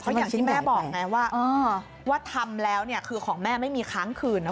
กำลังให้แม่บอกไงว่าว่าทำแล้วเนี่ยคือของแม่ไม่มีครั้งคืน